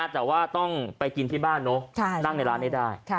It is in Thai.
แต่ว่าต้องไปกินที่บ้านเนอะนั่งในร้านให้ได้